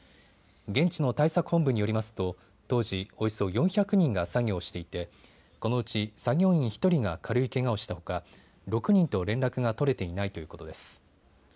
現地の対策本部によりますと当時、およそ４００人が作業をしていてこのうち作業員１人が軽いけがをしたほか６人と連絡が取れていないということです。